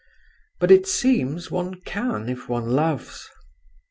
But it seems one can, if one loves….